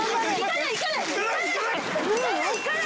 行かない？